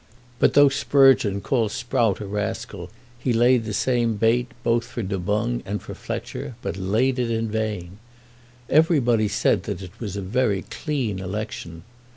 But though Sprugeon called Sprout a rascal, he laid the same bait both for Du Boung and for Fletcher; but laid it in vain. Everybody said that it was a very clean election.